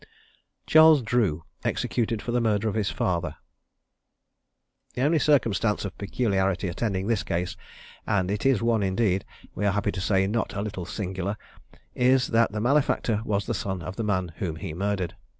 CHARLES DREW. EXECUTED FOR THE MURDER OF HIS FATHER. The only circumstance of peculiarity attending this case, and it is one indeed, we are happy to say, not a little singular, is that the malefactor was the son of the man whom he murdered.